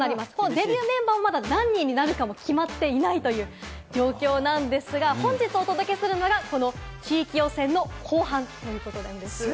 デビューメンバーが何人になるかまだ決まっていないという状況なんですが、本日お届けするのが地域予選の後半ということなんです。